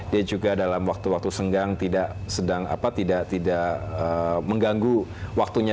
dia juga dalam waktu waktu senggang tidak sedang tidak mengganggu waktunya